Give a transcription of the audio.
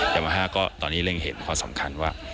ยามาฮะก็ตอนนี้เร่งเห็นข้อสำคัญว่า